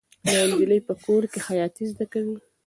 دا نجلۍ په کور کې خیاطي زده کوي.